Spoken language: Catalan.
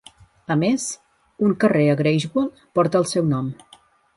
A més, un carrer a Greifswald porta el seu nom.